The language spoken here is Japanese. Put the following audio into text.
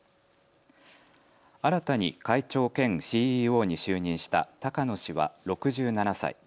新たに会長兼ＣＥＯに就任した高野氏は６７歳。